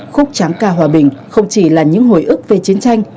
khúc tráng ca hòa bình không chỉ là những hồi ức về chiến tranh